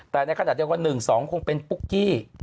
แต่ในขณะเดียวกัน๑๒คงเป็นปุ๊กกี้